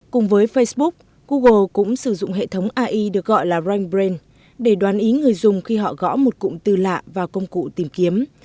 cùng với facebook google cũng sử dụng hệ thống ai được gọi là rankbrain để đoán ý người dùng khi họ gõ một cụm từ lạ vào công cụ tìm kiếm